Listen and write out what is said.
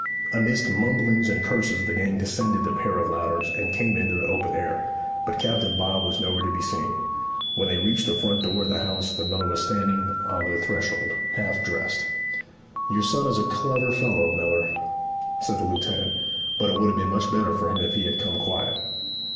Amidst mumblings and curses the gang descended the pair of ladders and came into the open air; but Captain Bob was nowhere to be seen. When they reached the front door of the house the miller was standing on the threshold, half dressed. 'Your son is a clever fellow, miller,' said the lieutenant; 'but it would have been much better for him if he had come quiet.'